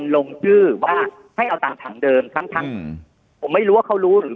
ลงชื่อว่าให้เอาตามถังเดิมทั้งทั้งผมไม่รู้ว่าเขารู้หรือ